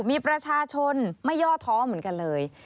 มีประชาชนไม่ย่อท้อเหมือนกันเลย